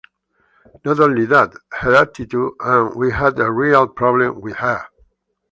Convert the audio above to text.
Not only that, her attitude, and we had a real problem with her.